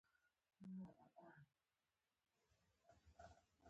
که دې مور تر مخ رودلې وه؛ مخامخ به باندې ورشې.